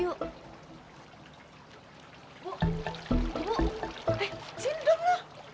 bu bu eh sini dong lo